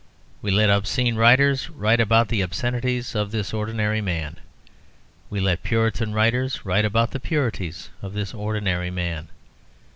We let obscene writers write about the obscenities of this ordinary man. We let puritan writers write about the purities of this ordinary man.